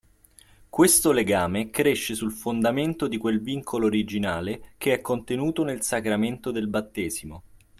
Questo legame cresce sul fondamento di quel vincolo originale che è contenuto nel sacramento del battesimo.